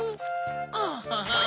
アハハン。